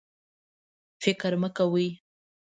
فکر مه کوئ